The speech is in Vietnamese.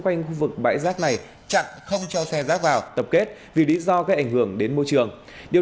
quanh khu vực bãi rác này chặn không cho xe rác vào tập kết vì lý do gây ảnh hưởng đến môi trường điều